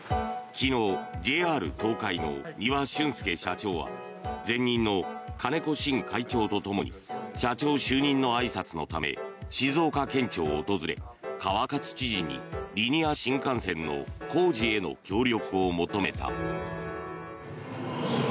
昨日ＪＲ東海の丹羽俊介社長は前任の金子慎会長とともに社長就任のあいさつのため静岡県庁を訪れ川勝知事に、リニア新幹線の工事への協力を求めた。